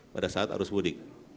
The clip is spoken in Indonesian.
pada saat harus budi